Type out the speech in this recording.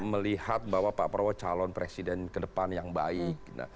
melihat bahwa pak prabowo calon presiden ke depan yang baik